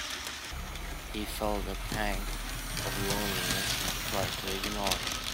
He felt a pang of loneliness and tried to ignore it.